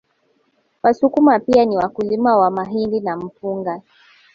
Wasukuma pia ni wakulima wa mahindi na mpunga